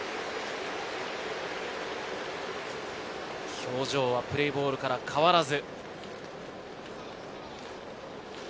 表情はプレーボールから変わらず。